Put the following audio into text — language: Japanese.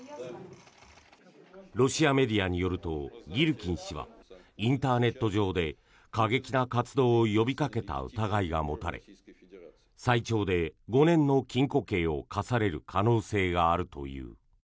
ロシアメディアによるとギルキン氏はインターネット上で過激な活動を呼びかけた疑いが持たれ最長で５年の禁錮刑を科される可能性があるという。